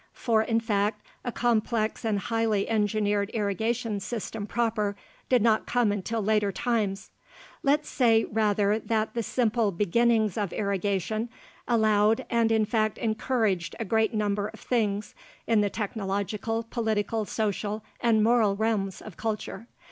For, in fact, a complex and highly engineered irrigation system proper did not come until later times. Let's say rather that the simple beginnings of irrigation allowed and in fact encouraged a great number of things in the technological, political, social, and moral realms of culture.